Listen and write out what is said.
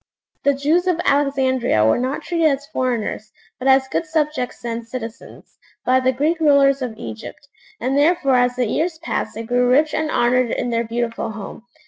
The Jews of Alexandria were not treated as foreigners, but as good subjects and citizens, by the Greek rulers of Egypt, and therefore as the years passed they grew rich and honoured in their beautiful home.